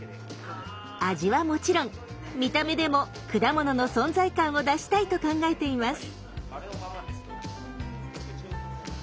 味はもちろん見た目でも果物の存在感を出したいと考えています。